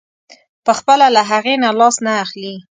پخپله له هغې نه لاس نه اخلي.